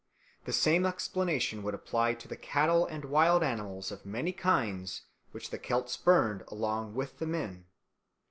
The same explanation would apply to the cattle and wild animals of many kinds which the Celts burned along with the men.